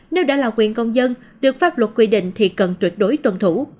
nếu đã là quyền công dân được pháp luật quy định thì cần tuyệt đối tuân thủ